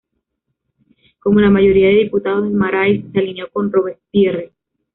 Como la mayoría de diputados del "Marais", se alineó con Robespierre.